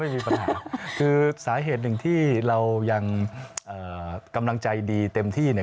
จึงอาจารย์โอเคไหมล่ะครับคือสาเหตุหนึ่งที่เรายังกำลังใจดีเต็มที่